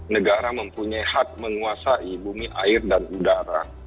negara mempunyai hak menguasai bumi air dan udara